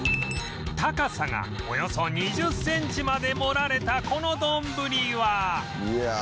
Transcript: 高さがおよそ２０センチまで盛られたこのどんぶりは